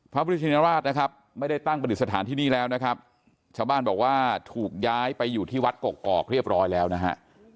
พระพุทธชินราชนะครับไม่ได้ตั้งประดิษฐานที่นี่แล้วนะครับชาวบ้านบอกว่าถูกย้ายไปอยู่ที่วัดกกอกเรียบร้อยแล้วนะฮะ